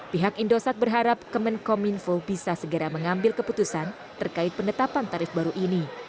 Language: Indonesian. pihak indosat berharap kemenkominfo bisa segera mengambil keputusan terkait penetapan tarif baru ini